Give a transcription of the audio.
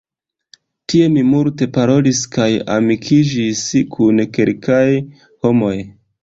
Tie mi multe parolis kaj amikiĝis kun kelkaj homoj.